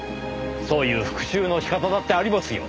そういう復讐の仕方だってありますよ。